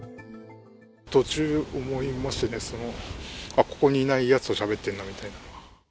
途中思いましたね、あっ、ここにいないやつとしゃべってんなみたいな。